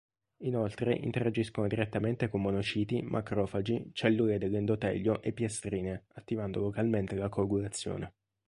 Inoltre interagiscono direttamente con monociti, macrofagi, cellule dell'endotelio e piastrine attivando localmente la coagulazione.